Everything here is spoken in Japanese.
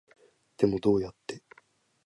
でもどうやって